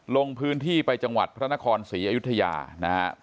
ลงพื้นที่ไปจังหวัดพระนครศรีอยุธยานะครับ